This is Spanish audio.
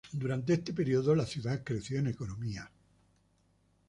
Durante este período, la ciudad creció en economía.